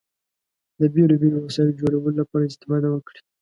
د بېلو بېلو وسایلو جوړولو لپاره استفاده وکړئ.